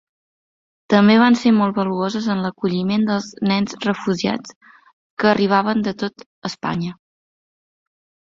També van ser molt valuoses en l'acolliment dels nens refugiats que arribaven de tot Espanya.